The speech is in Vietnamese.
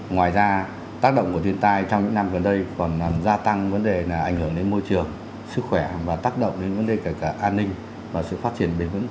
ngoài ra tác động của thiên tai trong những năm gần đây còn làm gia tăng vấn đề là ảnh hưởng đến môi trường sức khỏe và tác động đến vấn đề cả an ninh và sự phát triển bền vững của đất nước